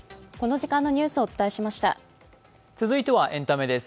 続いてはエンタメです。